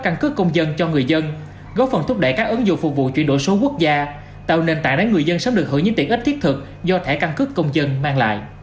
cảm ơn mấy chú công an mấy chú công an mấy chú công an